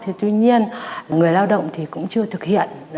thế tuy nhiên người lao động thì cũng chưa thực hiện